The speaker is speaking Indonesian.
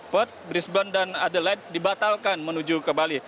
port brisbane dan adelaide dibatalkan menuju ke bali